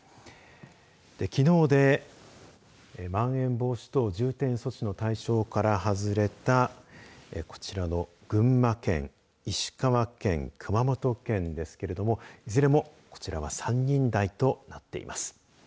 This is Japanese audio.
きのうでまん延防止等重点措置の対象から外れたこちらの群馬県石川県、熊本県ですがいずれもこちらは３人台となっています。